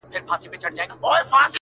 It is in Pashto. o د زمري په خوله کي هم خېر غواړه!